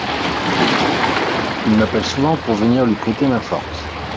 Il m’appelle souvent pour venir lui prêter main forte.